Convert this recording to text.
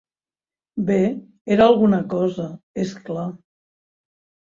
Bé, era alguna cosa, és clar.